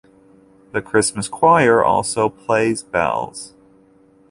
The Christmas choir also plays bells.